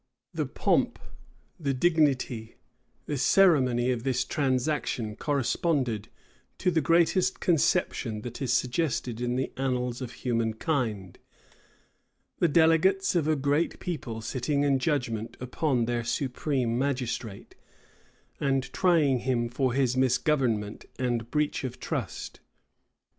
The pomp, the dignity, the ceremony of this transaction corresponded to the greatest conception that is suggested in the annals of human kind; the delegates of a great people sitting in judgment upon their supreme magistrate, and trying him for his misgovernment and breach of trust.